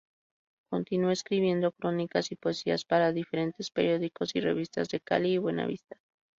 Continúa escribiendo crónicas y poesías para diferentes periódicos y revistas de Cali y Buenaventura.